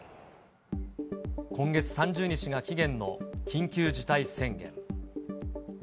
今月３０日が期限の緊急事態宣言。